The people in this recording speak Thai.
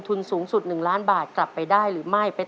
ตัวเลือดที่๓ม้าลายกับนกแก้วมาคอ